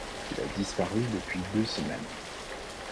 Il a disparu depuis deux semaines.